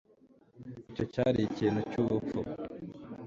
icyo cyari ikintu cyubupfu